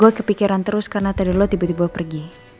gue kepikiran terus karena tadi lo tiba tiba pergi